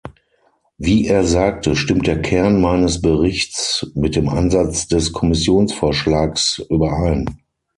Wie er sagte, stimmt der Kern meines Berichts mit dem Ansatz des Kommissionsvorschlags überein.